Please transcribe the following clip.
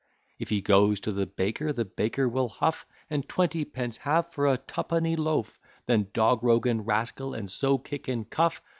If he goes to the baker, the baker will huff, And twentypence have for a twopenny loaf, Then dog, rogue, and rascal, and so kick and cuff.